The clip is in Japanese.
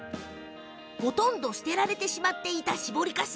ほとんど捨てられてしまっていた搾りかす。